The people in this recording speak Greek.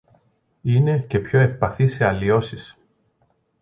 είναι και πιο ευπαθή σε αλλοιώσεις